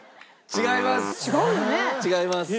違います。